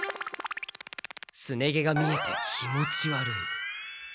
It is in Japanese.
すね毛が見えて気持ち悪い。